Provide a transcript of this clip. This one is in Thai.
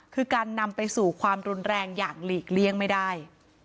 คือการนำไปสู่ความรุนแรงอย่างหลีกเลี่ยงไม่ได้